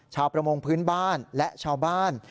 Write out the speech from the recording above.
ประมงพื้นบ้านและชาวบ้าน